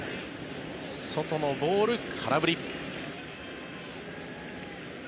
外のボール、空振り。